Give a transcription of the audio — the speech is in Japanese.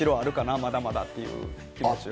まだまだっていう気持ちを。